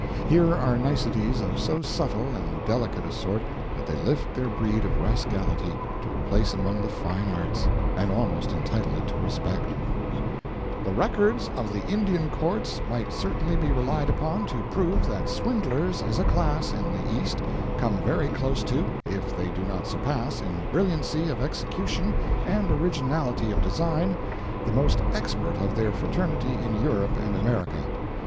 Here are niceties of so subtle and delicate a sort that they lift their breed of rascality to a place among the fine arts, and almost entitle it to respect: "The records of the Indian courts might certainly be relied upon to prove that swindlers as a class in the East come very close to, if they do not surpass, in brilliancy of execution and originality of design the most expert of their fraternity in Europe and America.